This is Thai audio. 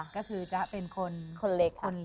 ก็คือจะเป็นคนเล็ก